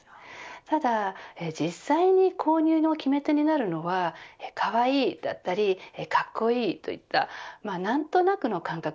ただ実際に購入の決め手になるのはかわいいだったりかっこいいといった何となくの感覚。